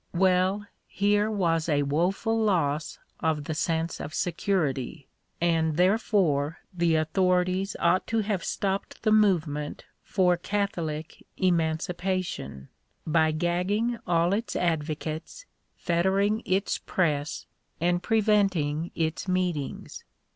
Well, here was a woful loss of the " sense of security ;" and therefore the authorities ought to have stopped the movement for Catholic emancipation, by gagging all its advocates, fettering its press, and preventing its meetings.